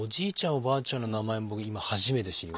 おばあちゃんの名前も今初めて知りました。